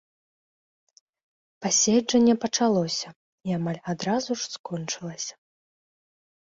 Паседжанне пачалося, і амаль адразу ж скончылася.